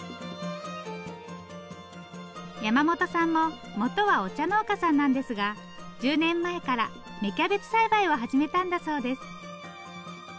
山本さんも元はお茶農家さんなんですが１０年前から芽キャベツ栽培を始めたんだそうです。